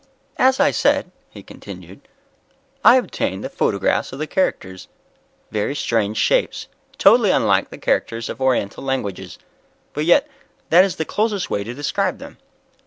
"As I said," he continued, "I obtained the photographs of the characters. Very strange shapes, totally unlike the characters of Oriental languages, but yet that is the closest way to describe them."